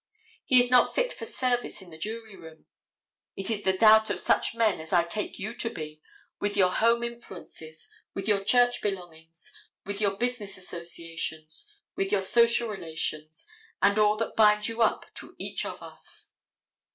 He is not fit for service in the jury room. It is the doubt of such men as I take you to be, with your home influences, with your church belongings, with your business associations, with your social relations, with all that binds you up to each of us.